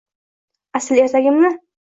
Asl ertagimni